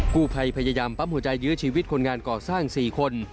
กู้ภัยพยายามปั๊มหัวใจยื้อชีวิตคนงานก่อสร้าง๔คน